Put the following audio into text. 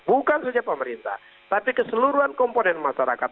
bukan saja pemerintah tapi keseluruhan komponen masyarakat